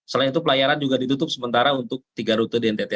selain itu pelayaran juga ditutup sementara untuk tiga rute di ntt